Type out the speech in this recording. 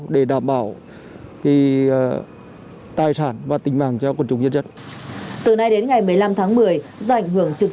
để đảm bảo tài sản và tính mạng cho côn trùng nhân dân từ nay đến ngày một mươi năm tháng một mươi do ảnh hưởng trực